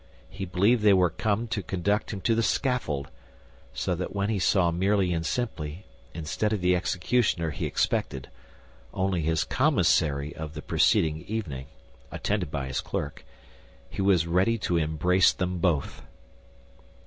He believed they were come to conduct him to the scaffold; so that when he saw merely and simply, instead of the executioner he expected, only his commissary of the preceding evening, attended by his clerk, he was ready to embrace them both.